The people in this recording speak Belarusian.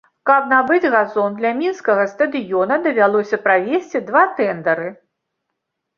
Каб набыць газон для мінскага стадыёна, давялося правесці два тэндары.